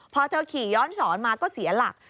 พอเธอขี่ย้อนสอนมาก็เสียหลัก